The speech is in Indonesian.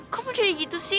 kamu jadi gitu sih